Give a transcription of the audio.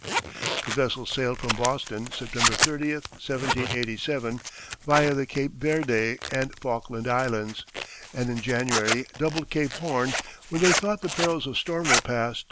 The vessels sailed from Boston September 30, 1787, via the Cape Verde and Faulkland Islands, and in January doubled Cape Horn, when they thought the perils of storm were past.